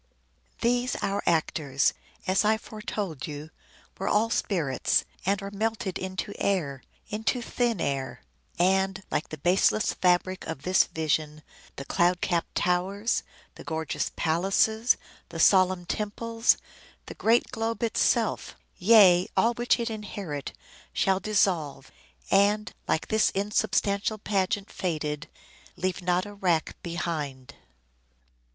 These our actors, As I foretold you, were all spirits, and Are melted into air, into thin air : And, like the baseless fabric of this vision, The cloud capp'd towers, the gorgeous palaces, The solemn temples, the great globe itself, Yea, all which it inherit, shall dissolve, And, like this insubstantial pageant faded, Leave not a rack behind."